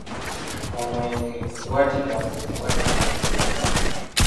Omwenge gwateranga okubalema okugula.